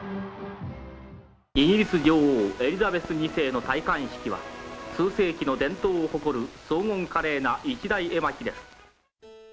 イギリス女王、エリザベス２世の戴冠式は、数世紀の伝統を誇る荘厳華麗な一大絵巻です。